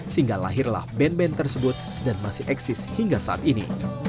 sehingga lahirlah band band tersebut dan masih eksis hingga saat ini